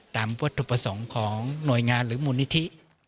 ตามวัตถุประสงค์ของหน่วยงานหรือมูลนิธิ